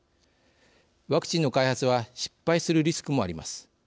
ワクチンの開発は失敗するリスクもあります。